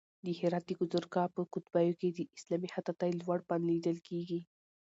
د هرات د گازرګاه په کتيبو کې د اسلامي خطاطۍ لوړ فن لیدل کېږي.